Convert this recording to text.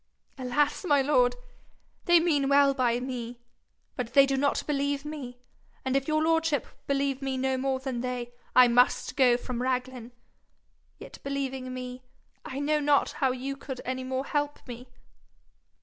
'Alas, my lord! they mean well by me, but they do not believe me; and if your lordship believe me no more than they, I must go from Raglan. Yet believing me, I know not how you could any more help me.'